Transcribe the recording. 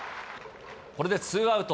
これでツーアウト。